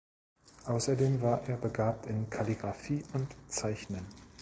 Außerdem war er begabt in Kalligrafie und Zeichnen.